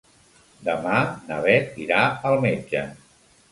Demà na Bet irà al metge.